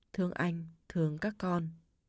thương anh thương các con